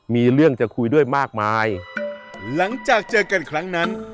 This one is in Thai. มีเรื่องจะคุยด้วยมากมายหลังจากเจอกันครั้งนั้น